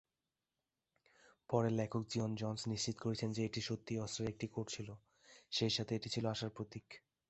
পরে, লেখক Geoff Johns নিশ্চিত করেছেন যে এটি সত্যিই অস্ত্রের একটি কোট ছিল, সেইসাথে এটি ছিল আশার প্রতীক।